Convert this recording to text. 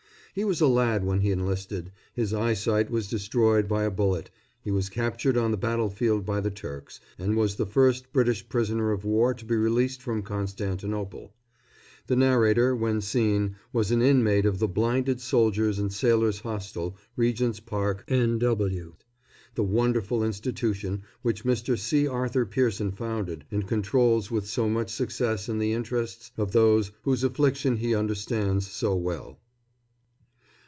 He was a lad when he enlisted, his eyesight was destroyed by a bullet, he was captured on the battlefield by the Turks, and was the first British prisoner of war to be released from Constantinople. The narrator, when seen, was an inmate of the Blinded Soldiers' and Sailors' Hostel, Regent's Park, N.W., the wonderful institution which Mr. C. Arthur Pearson founded and controls with so much success in the interests of those whose affliction he understands so well.